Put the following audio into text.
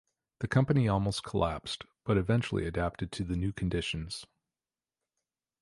The company almost collapsed, but eventually adapted to the new conditions.